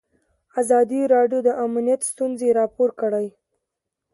ازادي راډیو د امنیت ستونزې راپور کړي.